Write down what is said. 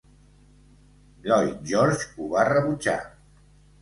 Lloyd George ho va rebutjar.